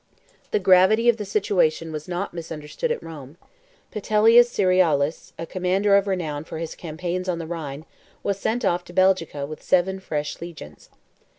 The gravity of the situation was not misunderstood at Rome. Petilius Cerealis, a commander of renown for his campaigns on the Rhine, was sent off to Belgica with seven fresh legions.